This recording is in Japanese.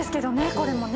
これもね。